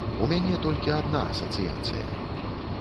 У мяне толькі адна асацыяцыя.